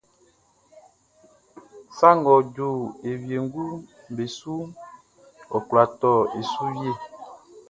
Sa ngʼɔ ju e wienguʼm be suʼn, ɔ kwla tɔ e su wie.